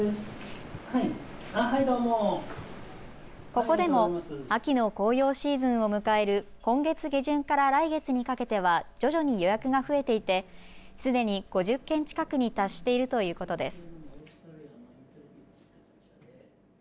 ここでも秋の紅葉シーズンを迎える今月下旬から来月にかけては徐々に予約が増えていて、すでに５０件近くに達しているということです。